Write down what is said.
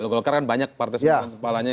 golkar kan banyak partai semuanya